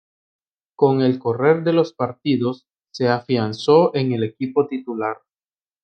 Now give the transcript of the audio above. Con el correr de los partidos se afianzó en el equipo titular.